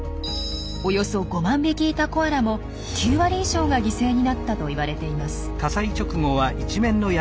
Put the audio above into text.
およそ５万匹いたコアラも９割以上が犠牲になったといわれています。